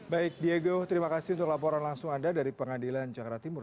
baik diego terima kasih untuk laporan langsung anda dari pengadilan jakarta timur